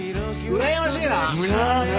うらやましいな。